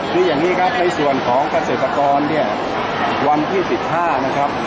คืออย่างนี้ครับในส่วนของเกษตรกรเนี่ยวันที่๑๕นะครับ